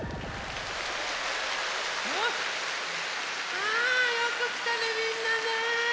あよくきたねみんなね。